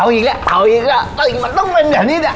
เอาอีกแล้วเอาอีกแล้วเอาอีกมันต้องเป็นแบบนี้แหละ